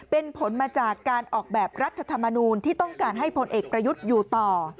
เป็นผลมาจากการออกแบบรัฐธรรมนูลที่ต้องการให้พลเอกประยุทธ์อยู่ต่อ